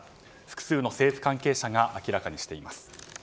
複数の政府関係者が明らかにしています。